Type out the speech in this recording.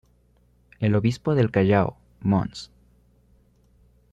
El obispo del Callao, Mons.